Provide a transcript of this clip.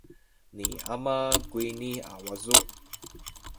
ni ama kuyni a wacu.